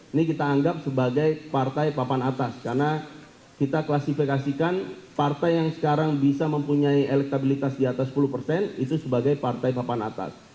ini kita anggap sebagai partai papan atas karena kita klasifikasikan partai yang sekarang bisa mempunyai elektabilitas di atas sepuluh persen itu sebagai partai papan atas